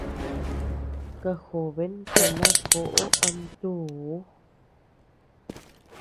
Kajoben kana koʼo ama tuu.